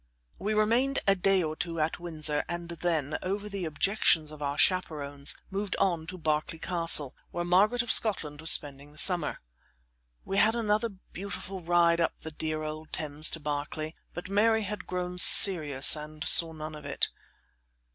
We remained a day or two at Windsor, and then, over the objections of our chaperons, moved on to Berkeley Castle, where Margaret of Scotland was spending the summer. We had another beautiful ride up the dear old Thames to Berkeley, but Mary had grown serious and saw none of it.